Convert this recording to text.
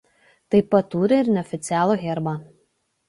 Taip pat turi ir neoficialų herbą.